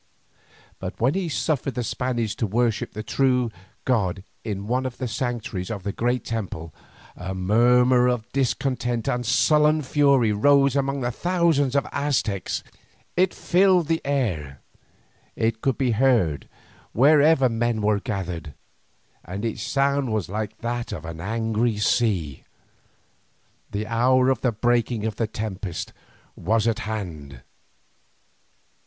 But when he suffered the Spaniards to worship the true God in one of the sanctuaries of the great temple, a murmur of discontent and sullen fury rose among the thousands of the Aztecs. It filled the air, it could be heard wherever men were gathered, and its sound was like that of a distant angry sea. The hour of the breaking of the tempest was at hand.